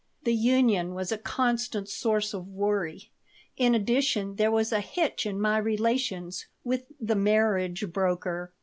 The union was a constant source of worry. In addition, there was a hitch in my relations with the "marriage broker."